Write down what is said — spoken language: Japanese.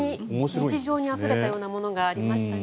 日常にあふれたようなものがありましたね。